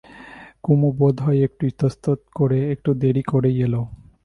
কুমু বোধ হয় একটু ইতস্তত করে একটু দেরি করেই এল।